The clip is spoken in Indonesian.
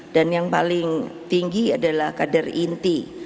dan yang paling tinggi adalah kader inti